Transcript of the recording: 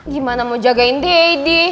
gimana mau jagain dedy